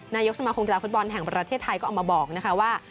นายกสมาคมกีฬาฟุตบอลแห่งประเทศไทยก็ออกมาบอกนะคะว่า